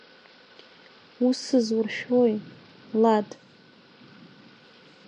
Ус сызуршәои, Лад?!